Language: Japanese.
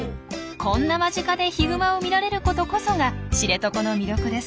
こんな間近でヒグマを見られることこそが知床の魅力です。